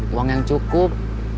uang yang cukup